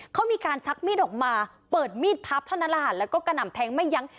เขามีการชักมีดออกมาเปิดมีดพับเท่านั้นแหละค่ะแล้วก็กระหน่ำแทงไม่ยั้ง